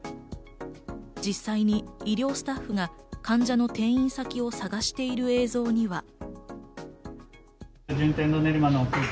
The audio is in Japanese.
実際に医療スタッフが患者の転院先を探している映像には。